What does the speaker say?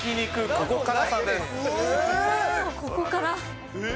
ここから。